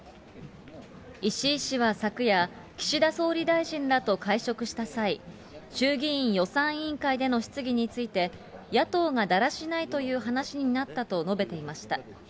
石井氏は昨夜、岸田総理大臣らと会食した際、衆議院予算委員会での質疑について、野党がだらしないという話になったと述べていました。